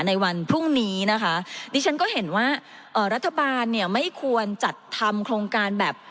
ในวันพรุ่งนี้นะคะดิฉันก็เห็นว่าเอ่อรัฐบาลเนี่ยไม่ควรจัดทำโครงการแบบ